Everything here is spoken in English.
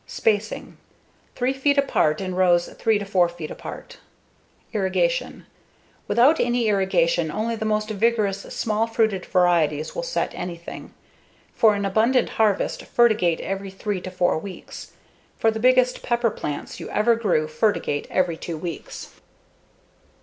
Spacing: Three feet apart in rows 3 to 4 feet apart. Irrigation: Without any irrigation only the most vigorous, small fruited varieties will set anything. For an abundant harvest, fertigate every three or four weeks. For the biggest pepper plants you ever grew, fertigate every two weeks.